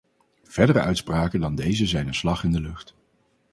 Verdere uitspraken dan deze zijn een slag in de lucht.